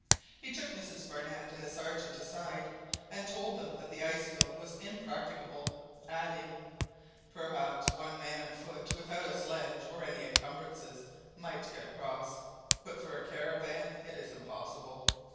He took Mrs Barnett and the Sergeant aside, and told them that the ice field was impracticable, adding— "Perhaps one man on foot without a sledge or any encumbrances might get across, but for a caravan it is impossible.